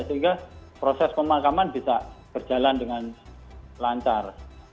sehingga proses pemakaman bisa berjalan dengan lancar